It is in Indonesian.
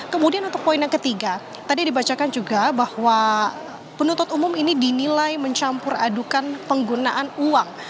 kemudian untuk poin yang ketiga tadi dibacakan juga bahwa penuntut umum ini dinilai mencampur adukan penggunaan uang